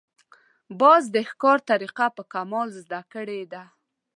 باز د ښکار طریقه په کمال زده کړې ده